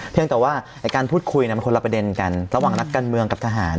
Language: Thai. แต่ว่าการพูดคุยมันคนละประเด็นกันระหว่างนักการเมืองกับทหาร